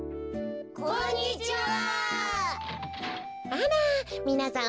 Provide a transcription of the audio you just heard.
あらみなさん